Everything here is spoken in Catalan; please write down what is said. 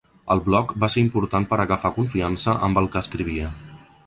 El bloc va ser important per a agafar confiança amb el que escrivia.